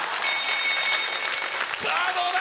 さぁどうだ